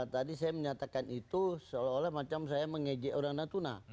tadi saya menyatakan itu seolah olah macam saya mengejek orang natuna